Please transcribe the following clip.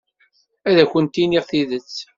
Ad akent-iniɣ tidet.